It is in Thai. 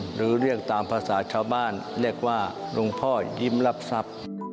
หรือเรียกตามภาษาชาวบ้านเรียกว่าหลวงพ่อยิ้มรับทรัพย์